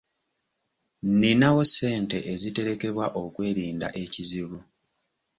Nninawo ssente eziterekebwa okwerinda ekizibu.